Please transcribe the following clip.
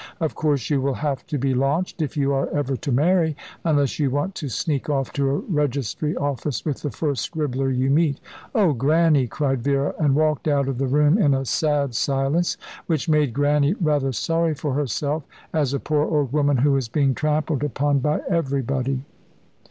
Of course, you will have to be launched, if you are ever to marry unless you want to sneak off to a registry office with the first scribbler you meet." "Oh, Grannie," cried Vera, and walked out of the room in a sad silence, which made Grannie rather sorry for herself as a poor old woman who was being trampled upon by everybody.